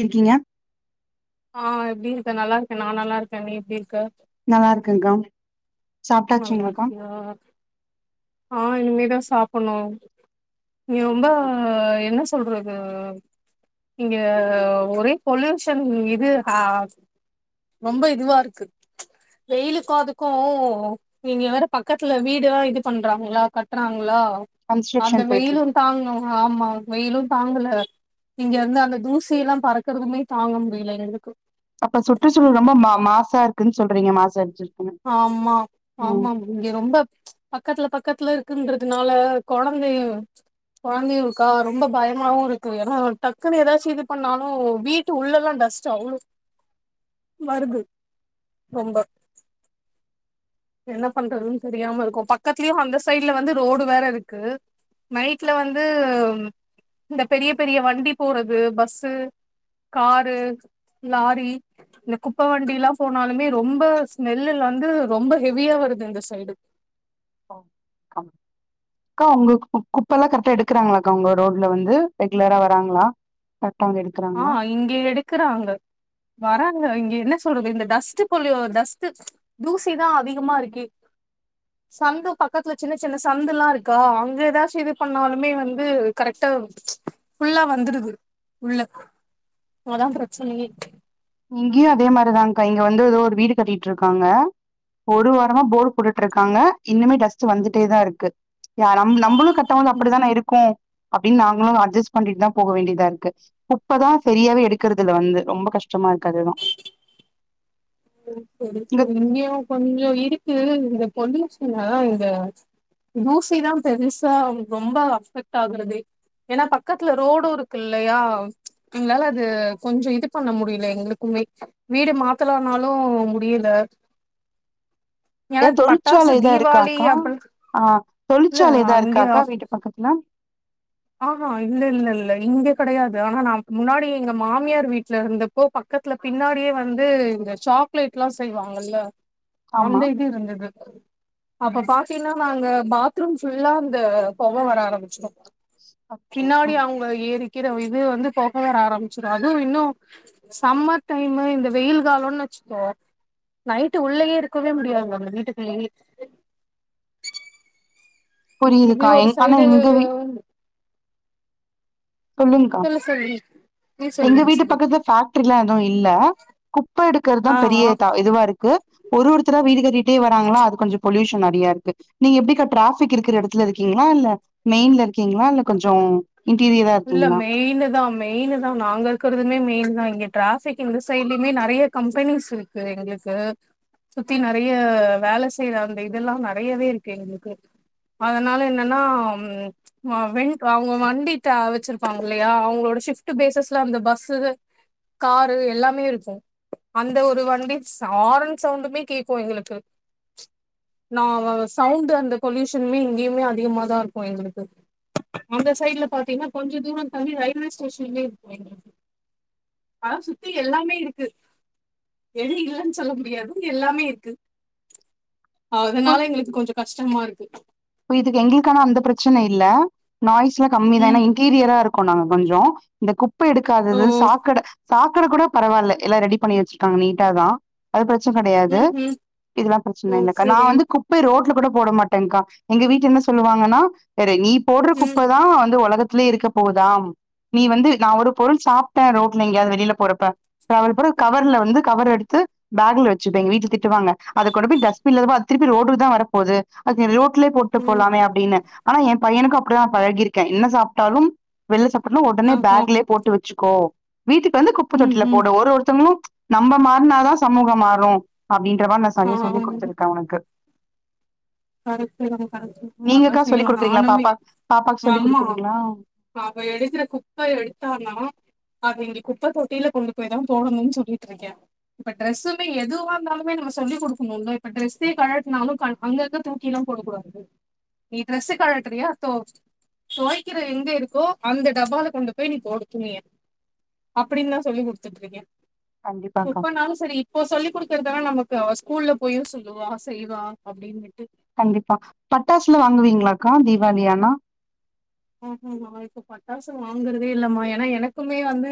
இருக்கீங்க ஆஹ் எப்படி இருக்க நல்லா இருக்கேன் நான் நல்லா இருக்கேன் நீ எப்படி இருக்க நல்லா இருக்கங்கா நல்ல இருக்கியா ஆ இனிமே தா சாப்பணும் நீ ரொம்ப என்ன சொல்றது இங்க ஒரே பொல்யூஷன் இதுஹ ரொம்ப இதுவா இருக்கு வெயிலுக்கும் அதுக்கும் இங்க வேற பக்கத்துல வீடா இது பண்றாங்களா கட்றாங்களா அந்த கன்ஸ்ட்ரக்ஷன் போயிட்டு இருக்கு வெயிலும் தாங்கணும் ஆமா வெயிலும் தாங்கல இங்க இருந்து அந்த தூசி எல்லாம் பறக்குறதுமே தாங்க முடியல எங்களுக்கு அப்ப சுற்றுச்சூழல் ரொம்ப மா மாசா இருக்குன்னு சொல்றீங்க மாசம் அச்சு ஆமா ஆமா இங்க ரொம்ப பக்கத்துல பக்கத்துல இரு டக்குன்றதுனால குழந்தை குழந்தையும் இருக்கா ரொம்ப பயமாவும் இருக்கு ஏன்னா டக்குன்னு எதாச்ச இது பண்ணாலும் வீட்டு உள்ள எல்லாம் டஸ்ட் அவ்ளோ வருது ரொம்ப என்ன பண்றதுன்னு தெரியாம இருக்கோம் பக்கத்துலயும் அந்த சைட்ல வந்து ரோடு வேற இருக்கு நைட்ல வந்து இந்த பெரிய பெரிய வண்டி போறது பஸ்ஸு காரு லாரி இந்த குப்பை வண்டி எல்லாம் போனாலுமே ரொம்ப ஸ்மெல்ல வந்து ரொம்ப ஹெவியா வருது இந்த சைடு அக்கா உங்க குப்ப எல்லாம் கரெக்டா எடுக்கறாங்களாக்கா உங்க ரோட்ல வந்து ரெகுலரா வராங்களா வந்து ஆ எடுக்கறாங்களா இங்க எடுக்கிறாங்க வராங்க இங்க என்ன சொல்றது இந்த டஸ்ட் போலிய டஸ்ட் தூசிதான் அதிகமா இருக்கு சந்து பக்கத்துல சின்ன சின்ன சந்து எல்லாம் இருக்கா அங்க ஏதாச்ச இது பண்ணாலுமே வந்து கரெக்டா ஃபுல்லா வந்துடுது உள்ளக் அதான் பிரச்சனையே இங்கேயும் அதே மாதிரிதான்கா இங்க வந்து ஏதோ ஒரு வீடு கட்டிட்டு இருக்காங்க ஒரு வாரமா போர் போட்டுட்டு இருக்காங்க இன்னுமே டஸ்ட் வந்துட்டே தான் இருக்கு நம்மளும் [unintelligible] ம், அப்படிதானே இருக்கும் அப்படின்னு நாங்களும் அட்ஜஸ்ட் பண்ணிட்டு தான் போக வேண்டியதா இருக்கு குப்பதான் சரியாவே எடுக்கறதுல வந்து ரொம்ப கஷ்டம் கஷ்டமா இருக்கது அதே தான் சரி சரி இங்கயும் இந்த பொல்யூஷன் இந்த தூசிதான் பெருசா ரொம்ப அஃபெக்ட் ஆகுரதே ஏன்னா பக்கத்துல ரோடும் இருக்கில்லையா எங்கலால அது கொஞ்சம் இது பண்ண முடியல எங்களுக்குமே வீடு மாத்தலாம் னாலு முடியல ஏன்னா எதா பட்டாசு தொழிற்சாலை எதா தீபாவளி இருக்காக்கா அப்ப ஆஹ் இல்ல தொழிற்சாலை எதா இங்க இருக்காக்கா வீட்டு பக்கத்துல ஆஹா இல்ல இல்ல இல்ல இங்க கெடையாது ஆனா நா முன்னாடி எங்க மாமியார் வீட்லருந்தப்போ பக்கத்துல பின்னாடியே வந்து இந்த சாக்லேட்ல்லா செய்வாங்கல்ல ஆமா அந்த இது இருந்துது அப்ப பாத்தீங்கன்னா நாங்க பாத்ரூம் ஃபுல்லா அந்த பொக வர ஆரம்பிச்சிரு அச்சோ பின்னாடி ம் அவங்க ஏறி க்கிற இது வந்து பொக வர ஆரம்பிச்சிது அது இன்னு சம்மர் டைமு இந்த வெயில் காலோன்னு நைட்டு் உள்ளயே இருக்கவே முடியாது அங்க வீட்டுக்குள்ளயே இது புரியுதுக்கா ஒரு எங் ஆனா சைடு எங்க வீ சொல்லுங்க்கா சொல்லு சொல்லு நீ சொல்லு எங்க நீ வீட்டு சொல்லு பக்கத்துல பேக்ட்ரில்லா எது இல்ல குப்ப எடுக் க்கறத் தா ஆ பெரிய ஆ த இதுவா இருக்கு ஒரு ஒருத்தர் வீடு கட்டிட்டே வராங்ளா அது கொஞ்சோ பொல்யூஷன் நெறையா இருக்கு நீங்க எப்டிக்கா ட்ராஃபிக் இருக்கற எடத்துல இருக்கீங்ளா இல்ல மெய்ன்ல இருக்கீங்ளா இல்ல கொஞ்சோ இன்டீரியர் இல்ல மெயினு தா மெயினு தா நாங்க இருக்கறதுமே மெயின் தா இங்க ட்ராஃபிக் இந்த சைடுலயுமே நெறைய கம்பெனிஸ் இருக்கு எங்களுக்கு சுத்தி நெறைய வேல செய்ற அந்த இதெல்லா நெறையவே இருக்கு எங்களுக்கு அதனால என்னனா [unintelligible] அவங்க வண்டி [unintelligible] வெச்சிருப்பாங்கில்லயா அவங்களோட ஷிஃப்ட்டு பேசஸ்ல அந்த பஸ்ஸுக, காரு எல்லாமே இருக்கு அந்த ஒரு வண்டி ஸ் ஆரன் சவுண்டுமே கேக்கு எங்களுக்கு நா [unintelligible] சவுண்டு அந்த பொல்யூஷன்மே இங்கயுமே அதிகமா தா இருக்கும் எங்களுக்கு அந்த சைடுல பாத்தீங்கன்னா கொஞ்ச தூரோ தாண்டி ரயில்வே ஸ்டேஷன்மே இருக்கு எங்களுக்கு ஆனா சுத்தி எல்லாமே இருக்கு எது இல்லைன் சொல்ல முடியாது எல்லாமே இருக்கு அதுனால எங்களுக்கு கொஞ்சோ கஷ்டமா இருக்கு இதுக்கு எங்களுக்கு ஆனா அந்த பிரச்சன இல்ல நாய் ஸ்லா கம்மி தா ம் ஏனா இன்டீரியரா இருக் கோ நாங்க கொஞ்சோ இந்த குப் ப ஓ எடுக்காதது சாக்கட சாக்கட கூட பரவால்ல எல்லா ரெடி பண்ணி வெச்சிருக்காங்க நீட்டா தா அது பிர ச்சன கெடையாது ம் ம் இதெல்லா ஓ பிரச்சன இல்லக்கா நா சரி வந்து குப்பய ரோட்ல கூட போட மாட்டேங்க்கா எங்க வீட்ல என்ன சொல்லுவாங்கனா பாரு நீ போட்ற ம் குப்ப தா வந்து ஒலகத் துலே இருக்க போகுதா நீ வந்து நா ஒரு பொருள் சாப்ட்டே ரோட்ல எங்கியாது வெளில போறப்ப ட்ராவல் பூரா கவர்ல வந்து கவர் எடுத்து பேக்ல வச்சிப்பே எங் வீட்ல திட்டுவாங்க அத கொண்டு போய் டஸ்பின் [unintelligible] அது திருப்பி ரோட்டுக்கு தா வரப் போது அதுக்கு நீ அத ரோ ட்லே போட்டு ம் போலாமே அப்டின்னு ஆனா என் பையனுக்கு அப்படி தா பழகிருக்கே என்ன சாப்ட்டாலு வெள்ல சாப் ப்டேனா ஒடனே ஆஹா பேக்லே போட்டு வெச்சுக்கோ வீட்டுக்கு வந்து குப்ப ம் தொட்டில ம் போடு ஒரு ஒருத்தங்களு நம்ம மாறினாதா சமூகம் மாறு அப்டின்னு [unintelligible] நா செய்ய சொல்லி குடுத்திருக்கே அவனுக்கு கரெக்டுதா கரெக்ட் அதா நீங்கக்கா சொல்லி் செய்வோ குடுக்குறீங்களா நானுமே பாப்பா பாப்பாக்கு சொல்லி் ஆமா குடுக்குறீங்களா அவ எடுக்கிற குப்பை எடுத்தானா அத இங் குப்ப தொட்டில கொண்டு போய்தா போடணுன் சொல்லிட்ருக்கே இப்ப டிரெஸ்ஸுமே எதுவா இருந்தாலுமே நம்ம சொல்லி குடுக்கணு இல்ல இப்ப டிரெஸ்ஸே கழட்னாலு க அங்கங்க தூக்கில்லா போடக்கூடாது நீ ட்ரெஸ்ஸ கழட்றியா தொ தொவக்கிற எங்க இருக்கோ அந்த டப்பால கொண்டு போய் நீ போடு துணிய அப்டின்னுதா சொல்லி குடுத்துட்ருக்கே கண்டிப்பாக்கா எப்பனாலு சரி இப்போ சொல்லி குடுக்குறதான நமக் அவே ஸ்கூல்ல போயு சொல்லுவா செய்வா அப்டின் விட்டு கண்டிப்பா பட்டாசுல வாங்குவீங்களாக்கா தீபாளியானா ஆ நா இப்ப பட்டாசு வாங்குறதே இல்லம்மா ஏனா எனக்குமே வந்து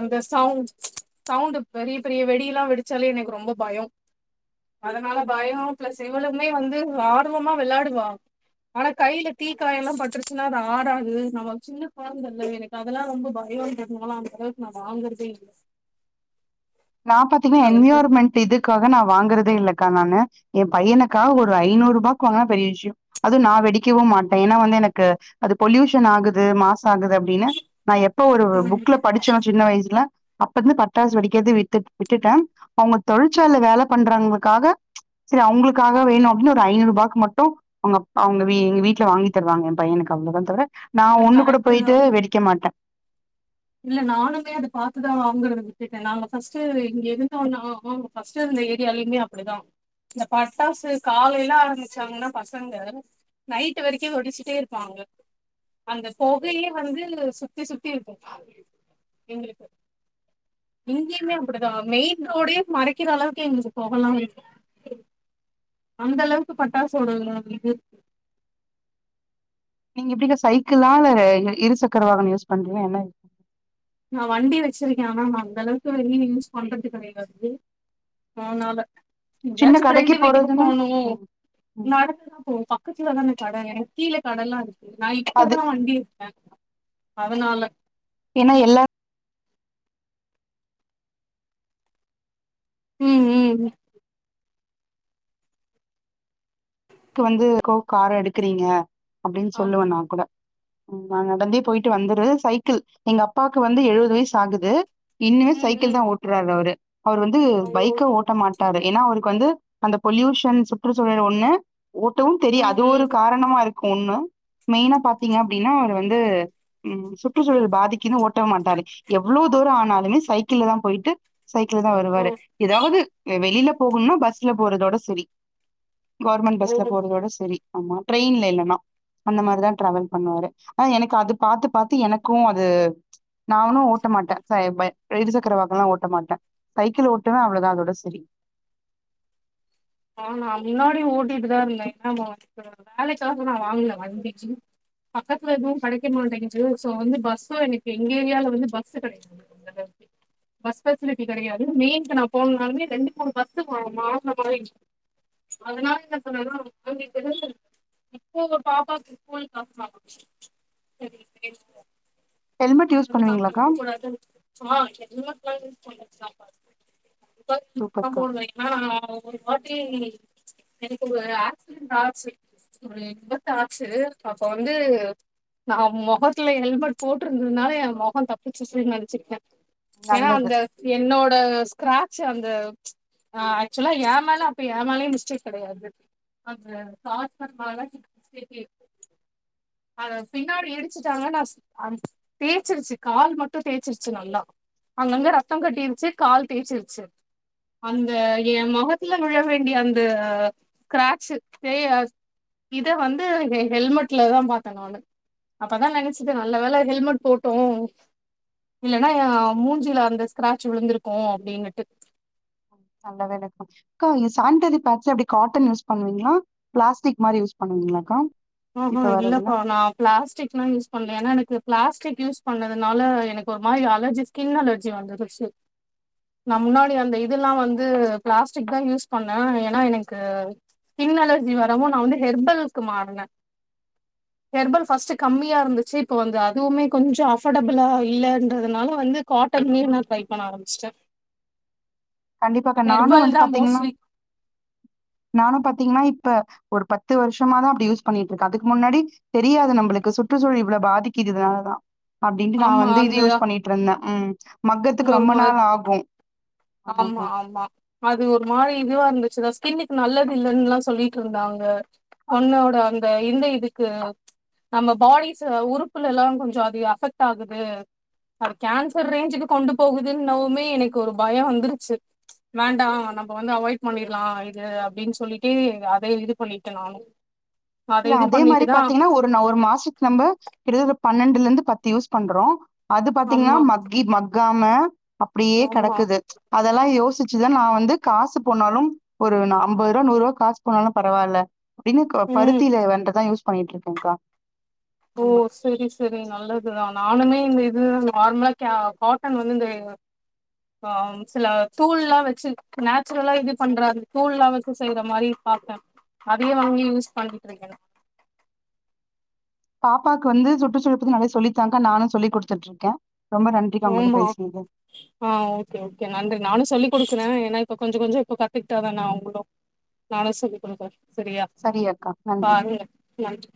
அந்த சவுண்ட் சவுண்ட் பெரிய பெரிய வெடியல்லா வெடிச்சாலே எனக்கு ரொம்ப பயோ அதனால பயோ பிளஸ் எவ்வளவுமே வந்து ஆர்வமா வெளாடுவா ஆனா கையில தீக்காயல்லா பட்டுருச்சுன்னா தா ஆடாது நாம சின்ன கொழந்தல்ல எனக்கு அதெல்லா ரொம்ப பயோன்றதுனால அந்த அளவுக்கு நா வாங்கறதே இல்ல நா பாத்தீங்கன்னா அவளுக்கு என்வியோர்மெண்ட் இதுக்காக நா வாங்குறதே இல்ல க்கா நானு எ பையனு கா ஒரு ஐநூறுப்பாக்கு வாங்குனா பெரிய விஷ்யோ அதுவு நா வெடிக்கவு மாட்டே ஏனா வந்து எனக்கு அது பொல்யூஷன் ஆகுது மாஸ் ஆகுது அப்டின்னு நா எப்ப ஒரு புக்ல படுச்சோ சின்ன வயசுல அப்பந்து பட்டாசு வெடிக்கிறதே விட் ட் விட்டுட்டே அவங்க தொழிற்சா வேல பண்றவங்களுக்காக செரி அவங்களுக்காக வேணு அப்டின்னு ஒரு ஐநூறு ரூபாக்கு மட்டு அவங் அவங்க எங்க வீட்டுல வாங்கி தருவாங்க என பையனுக்கு அவ்ளோதா தவர நா இல்ல ஒண்ணு கூட கரெக்ட் தா போயிட்டு வெடிக்க மாட்ட இல்ல நானுமே அது பாத்துதா வாங்கரத விட்டுட்டே நாங்க ஃபஸ்ட் இங்க இருந்தோன்னா ஃபஸ்ட் இருந்த ஏரியாலயுமே அப்டிதா இந்த பட்டாசு காலைல ஆரமெச்சாங்கன்னா பசங்க நைட்டு வரைக்கு ஒடிச்சுட்டே இருப்பாங்க அந்த புகையே வந்து சுத்தி சுத்தி இருக்கு [unintelligible] எங்களுக்கு இங்குயுமே அப்டிதா மெயின் ரோடே மறைக்கிற அளவுக்கு எங்களுக்கு போகலா அந்த அளவுக்கு பட்டாசோட இது இருக்கு நீங்க எப்படிக்கா சைக்கிளா இல்ல இருசக்கர வாகனோ யூஸ் பண்றீங்க என்ன இருக் நா வண்டி வெச்சிருக்க ஆனா நா அந்த அளவுக்கு வெளிய யூஸ் பண்றது கெடையாது ஆனால சின்ன எங்யாச்சு கடைக்கு ப்ரெண்டு வீட்டுக்கு போறதுன்னா போகணு ம் ம் நாடந்துதா போனுப்பா பக்கத்துல தான கட எனக்கீழ கடலா இருக்கு நா அது இப்பதா வண்டி இருக்க அதனால ஏனா எல்லாத் உம் உம் ம் க்கு வந்து கோ கார எடுக்கறீங்க அப்டின்னு ஆமா. சொல்லுவ நா கூட நா நடந்தே போயிட்டு வந்துறது சைக்கிள் எங்க அப்பாவுக்கு வந்து எழுவது வயசு ஆகுது இன்னுமே ம் சைக்கிள் ம் தா ஓட்றாரு அவரு அவர் வந்து ஓ பைக்க ஓட்ட மாட் டாரு ஏனா அவருக்கு வந்து அந்த பொல்யூஷன் சுற்றுச்சூழல் ஒண்ணு ஓட்டவு தெரியு ம் அது ம் ஒரு ம். காரணமா இருக் ஒண்ணு மெயினா பாத்தீங்க அப்டினா அவர் வந்து உம் சுற்று சூழல் பாதிக்கின்னு ட்ட மாட்டாரு எவ்ளோ தூரோ ஆனாலுமே சைக்கிள்ல தா போயிட்டு சைக்கிள் தா ஓ வருவாரு எதாவது வெளியில போகுனுனா பஸ்ல போறதோட சேரி ஓ [unintelligible] போறதோட செரி ஆமா ட்ரெயின்ல இல்லன்னா அந்த மாரிதா ட்ராவல் பண்ணுவாரு ஆனா எனக்கு அது பாத்து பாத்து எனக்கு அது நானு ஓட்ட மாட்ட செ இருசக்கரவாகனோல்லா ஓட்ட மாட்ட சைக்கிள் ஓட்டவே அவ்ளோதா அதோட செரி ஆ நா முன்னாடி ஓட்டிட்டுதா இருந்த ஏனா நா வேலைக்காக நா வாங்ன வண்டி சி பக்கத்துல எதுவு கெடைக்க மாட்டேங்கிது சோ வந்து பஸ்ஸு எனக்கு எங்க ஏரியால வந்து பஸ் கெடையாது பஸ் ஃபெசிலிட்டி கெடையாது மெயின்க்கு நா போகனுனாலுமே ரெண்டு மூணு பஸ் மா மார்ற மாரி அதனால என்ன சொன்னனா அங்க இருந்து இப்போ பாப்பாக்கு ஸ்கூல் [inaudible] [inaudible] [inaudible] ஹெல்மெட் யூஸ் பண்ணுவீங்களாக்கா [unintelligible] சூப்பர்க்கா ஒம்போது மணினா ஒரு எனக்கு ஒரு ஆக்சிடென்ட் ஆச்சு ஒரு விபத்து ஆச்சு அப்ப வந்து நா முகத்துல ஹெல்மெட் போட்ருந்ததுனால எ முகம் தப்பிச்ருச்னு நெனைச்சிகிட்ட ஏனா நல்லது அந்த என்னோட ஸ்கிராப் ச்சு அந்த ஆக்சுவலா எ மேல அப்ப எ மேலயு மிஸ்டேக் கெடையாது அந்த [inaudible] மேல மிஸ்டேக்கே பின்னாடி இடிச்சிட்டாங்க நா அ தேச்சிருச்சு கால் மட்டு தேச்சிருச்சு நல்லா அங்க அங்க ரத்த கட்டிருச்சு கால் தேச்சிருச்சு அந்த எ முகத் துல விழ வேண்டிய அந்த ஸ்கிராட்ச்சு தே அ இத வந்து ஹெ ஹெல்மெட்லதா பாத்த நானு அப்பதா நெனைச்சுது நல்லவேள ஹெல்மெட் போட்டோ இல்லனா மூஞ்சில அந்த ஸ்கிராட்ச் விழுந்திருக்கு அப்டினுட்டு நல்ல வேலக்கா க்கா நீங்க சானிட்டரி பேட்ஸ்லா எப்படி காட்டன் யூஸ் பண்ணுவிங்ளா பிளாஸ்டிக் மாரி யூஸ் பண்ணுவிங்ளாக்கா ஊஹு இல்லக்கா நா பிளாஸ்டிக்லா யூஸ் பண்ல ஏனா எனக்கு பிளாஸ்டிக் யூஸ் பண்ணதுனால எனக்கு ஒரு மாரி அலர்ஜி ஸ்கின் அலர்ஜி வந்துருச்சு நா முன்னாடி அந்த இதெல்லா வந்து பிளாஸ்டிக்தா யூஸ் பண்ணே ஏனா எனக்கு ஸ்கின் அலர்ஜி வரவு நா வந்து ஹெர்பல்க்கு மாறுன ஹெர்பல் ஃபர்ஸ்ட் கம்மியா இருந்துச்சு இப்ப வந்து அதுவுமே கொஞ்ச அஃபர்டபிளா இல்லன்றதுனால வந்து காட்டன்லியே நா ட்ரை பண்ண ஆரம்பிச்சுட்ட கண்டிப்பாக்கா நானு வந்து பாத்திங்னா நானு பாத்திங்னா இப்ப ஒரு பத்து வருஷமாதா அப்டி யூஸ் பண்ணிட்ருக்க அதுக்கு முன்னாடி தெரியாது நம்பளுக்கு சுற்றுச்சூழல் இவ்ள பாதிக்குது இனாலதா அப்டின்ட்டு நா ஆமா வந்து இது அந்த யூஸ் பண்ணிட்ருந்த ம் மக்கத்துக்கு ஒரு ரொம்ப மா நாள் ஆகு ஆமா ஆமா அது ஒரு மாரி இதுவா இருந்து சுலா ஸ்கின்னுக்கு நல்லதில்லன்லா சொல்லிட்ருந்தாங்க பொண்ணோட அந்த இந்த இதுக்கு நம்ம பாடிஸ் உறுப்புல எல்லா கொஞ்ச அது அஃபெக்ட் ஆகுது கேன்சர் ரேஞ்சுக்கு கொண்டு போகுதுன்னவுமே எனக்கு ஒரு பய வந்துருச்சு வேண்டா நம்ம வந்து அவாய்ட் பண்ணிர்லா இது அப்டின் சொல்லிட்டு அத இது பண்ணிட்ட நானு அத இல்ல இது அதே மாரி பண்ணிட்டுதா பாத்திங்கனா ஒரு ஒரு மாசத்துக்கு நம்ம கிட்டதட்ட பத் பன்னெண்டுல இருந்து பத்து யூஸ் பண்றோம் அது பாத்தீங்கன்னா ஆமா மக்கி மக்காம் ஹலோ அப்படியே ஆமா கெடக்குது அதெல்லாம் யோசிச் ஆக்சுவெல்லா நான் வந்து காசு போனாலும் ஒரு ஐம்பது ரூபா நூறு ரூபா காசு போனாலும் பரவாயில்ல அப்படின்னு ம் பருத்திலே வன்றதான் யூஸ் போயிட்டு இருக்கேங்கா ஓ சரி சரி நல்லதுதா நானுமே இந்த இது நார்மலா கே காட்டன் வந்து இந்த ஆ சில தூள் எல்லா வெச்சு நேச்சுரலா இது பண்றாது தூள் எல்லா வெச்சு செய்ற மாரி பாத்தே அதையு வாங்கி யூஸ் பண்ணிட்டு இருக்கேன் பாப்பாவுக்கு வந்து சுற்றுச்சூழல் பத்தி நெறைய சொல்லித்தாங்க நானு சொல்லிகுடுத்துட்டு இருக்கே ஆமா ஆ ஓக்கே ஓக்கே நன்றி நானு சொல்லி கொடுக்குறே ஏன்னா இப்ப கொஞ்சு கொஞ்சு இப்ப கத்துக்கிட்டாதான அவங்களு நானு சொல்லி குடுக்குறே சரியா சரி அக்கா நன்றி. பாருங்க நன்றி